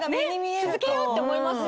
続けようって思いますよね。